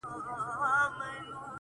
• د کوهي څنډي ته نه وو راختلی -